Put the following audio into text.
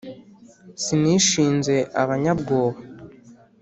sinishinze abanyabwoba